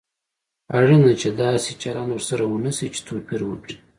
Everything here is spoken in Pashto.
اړینه ده چې داسې چلند ورسره ونشي چې توپير وکړي.